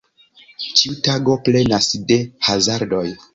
Ĉiu tago plenas de hazardoj.